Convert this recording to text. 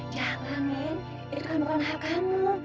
jangan min itu kan bukan hak kamu